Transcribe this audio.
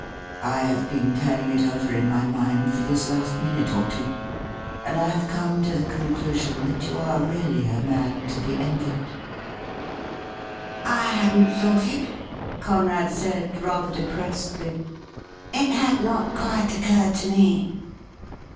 I have been turping it over in my mind for this last minute or two, and I have come to the conclusion that you are really a man to be envied.' ' I hadn't thought it,' Conrad said, rather depressedly. ' It had not quite occurred to me.